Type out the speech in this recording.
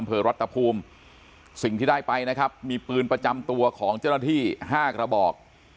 อำเภอรัฐภูมิสิ่งที่ได้ไปนะครับมีปืนประจำตัวของเจ้าหน้าที่๕กระบอก